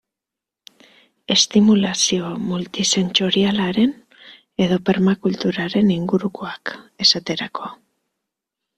Estimulazio multisentsorialaren edo permakulturaren ingurukoak, esaterako.